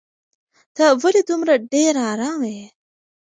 ته ولې دومره ډېره ارامه یې؟